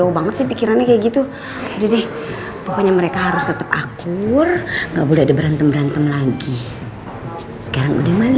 waktunya kita bawa bawa tim pelan